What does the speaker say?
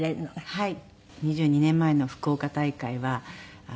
はい。